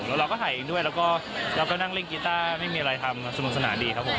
แล้วเราก็ถ่ายเองด้วยแล้วก็เราก็นั่งเล่นกีต้าไม่มีอะไรทำสนุกสนานดีครับผม